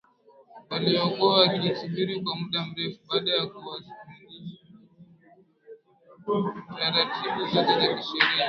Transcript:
waliokuwa wakisubiri kwa muda mrefu baada ya kukamilisha taratibu zote za kisheria